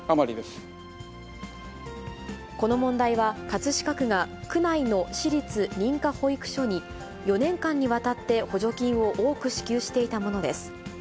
この問題は、葛飾区が区内の私立認可保育所に、４年間にわたって補助金を多く支給していたものです。